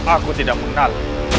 aku tidak mengenal